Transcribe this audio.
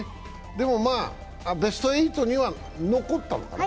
でもまあベスト８には残ったのかな？